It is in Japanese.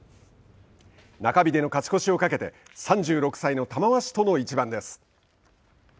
中日での勝ち越しをかけて３６歳の玉鷲との一番です。